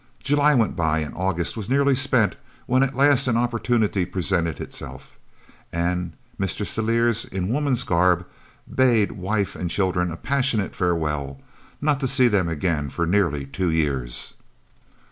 July went by, and August was nearly spent when at last an opportunity presented itself, and Mr. Celliers, in woman's garb, bade wife and children a passionate farewell, not to see them again for nearly two years.